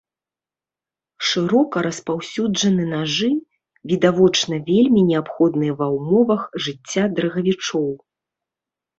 Шырока распаўсюджаны нажы, відавочна вельмі неабходныя ва ўмовах жыцця дрыгавічоў.